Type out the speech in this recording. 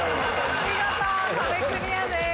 見事壁クリアです。